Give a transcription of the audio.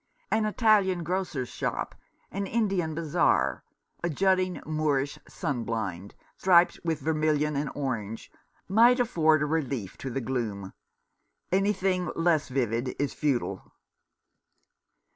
An Italian grocer's shop, an Indian bazaar, a jutting Moorish sun blind, striped with vermilion and orange, might afford a relief to the gloom. Anything less vivid is futile.